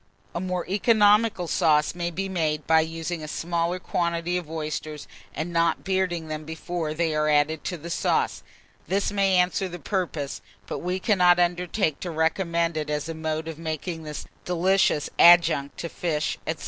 A more economical sauce may be made by using a smaller quantity of oysters, and not bearding them before they are added to the sauce: this may answer the purpose, but we cannot undertake to recommend it as a mode of making this delicious adjunct to fish, &c.